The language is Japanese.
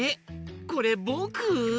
これぼく？